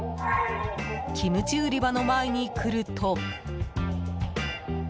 キムチ売り場の前に来ると。